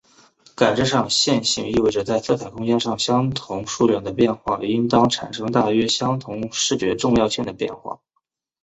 感知上线性意味着在色彩空间上相同数量的变化应当产生大约相同视觉重要性的变化。